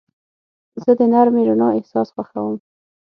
زه د نرمې رڼا احساس خوښوم.